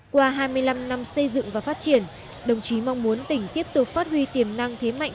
qua hai mươi năm năm xây dựng và phát triển đồng chí mong muốn tỉnh tiếp tục phát huy tiềm năng thế mạnh